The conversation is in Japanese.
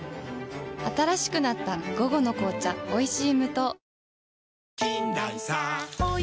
新しくなった「午後の紅茶おいしい無糖」